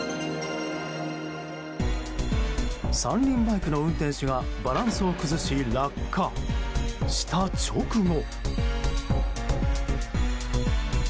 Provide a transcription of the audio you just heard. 三輪バイクの運転手がバランスを崩し落下した直後。